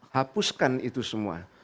hapuskan itu semua